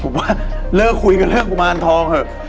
ผมว่าเลิกคุยกันเรื่องกุมารทองเถอะ